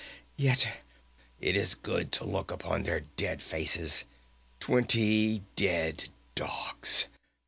Yet it is good to look upon their dead faces. Twenty dead dogs!